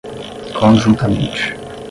conjuntamente